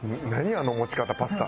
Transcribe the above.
あの持ち方パスタ。